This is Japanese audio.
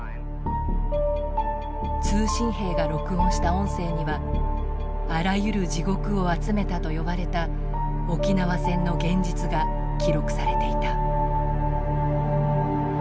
通信兵が録音した音声にはあらゆる地獄を集めたと呼ばれた沖縄戦の現実が記録されていた。